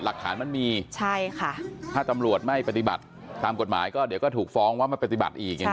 หลักฐานมันมีถ้าจำรวจไม่ปฏิบัติตามกฎหมายก็เดี๋ยวก็ถูกฟ้องว่ามาปฏิบัติอีก